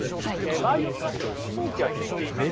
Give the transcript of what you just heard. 周りを見ますと信号機はついています。